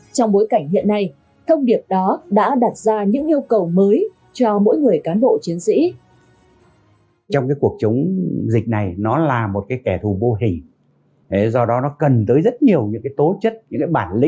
trong bối cảnh hiện nay thông điệp đó đã đặt ra những yêu cầu mới cho mỗi người cán bộ chiến sĩ